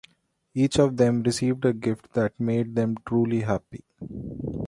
Each of them received a gift that made them truly happy.